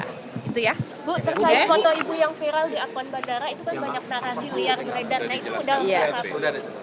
bu terkait foto ibu yang viral di akwan bandara itu kan banyak narasi liar geredan itu sudah dijelaskan